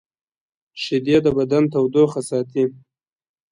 شیدې د بدن تودوخه ساتي